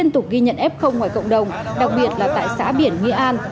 tục ghi nhận f ngoài cộng đồng đặc biệt là tại xã biển nghĩa an